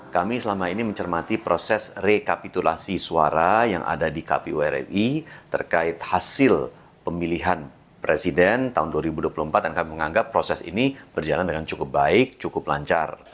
kami selama ini mencermati proses rekapitulasi suara yang ada di kpu ri terkait hasil pemilihan presiden tahun dua ribu dua puluh empat dan kami menganggap proses ini berjalan dengan cukup baik cukup lancar